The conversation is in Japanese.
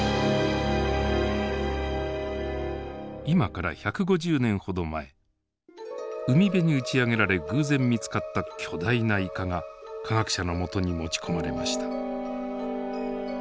今から１５０年ほど前海辺に打ち上げられ偶然見つかった巨大なイカが科学者のもとに持ち込まれました。